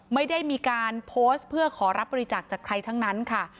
ไม่ได้มีการโพสต์เพื่อขอรับบริจาคจากใครทั้งนั้นค่ะ